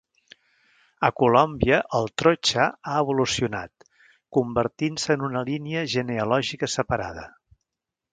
A Colòmbia el "trocha" ha evolucionat, convertint-se en una línia genealògica separada.